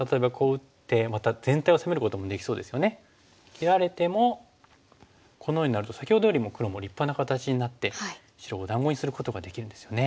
切られてもこのようになると先ほどよりも黒も立派な形になって白をお団子にすることができるんですよね。